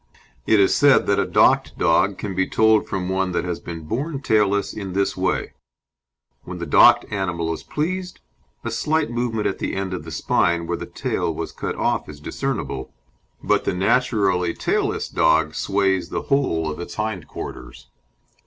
It is said that a docked dog can be told from one that has been born tailless in this way; when the docked animal is pleased, a slight movement at the end of the spine where the tail was cut off is discernible, but the naturally tailless dog sways the whole of its hind quarters.